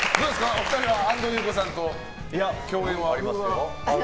お二人は安藤優子さんと共演は？ありますよ。